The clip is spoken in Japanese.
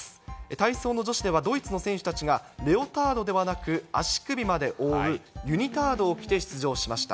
体操の女子では、ドイツの選手たちが、レオタードではなく、足首まで覆うユニタードを着て出場しました。